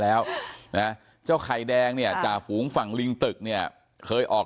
แล้วนะเจ้าไข่แดงเนี่ยจ่าฝูงฝั่งลิงตึกเนี่ยเคยออก